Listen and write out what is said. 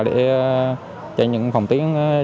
để cho những phòng tiến